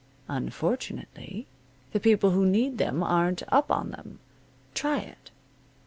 Unfortunately, the people who need them aren't up on them. Try it.